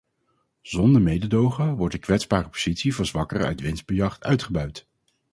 Zonder mededogen wordt de kwetsbare positie van zwakkeren uit winstbejag uitgebuit.